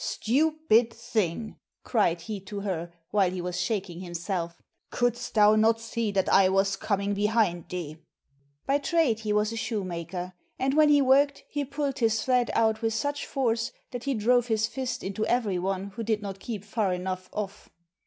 "Stupid thing," cried he to her, while he was shaking himself, "couldst thou not see that I was coming behind thee?" By trade he was a shoemaker, and when he worked he pulled his thread out with such force that he drove his fist into every one who did not keep far enough off.